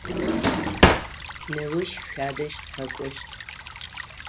Неущ шъуадэжь сыкъэкӏощт.